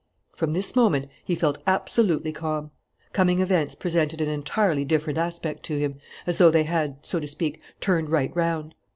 From this moment he felt absolutely calm. Coming events presented an entirely different aspect to him, as though they had, so to speak, turned right round.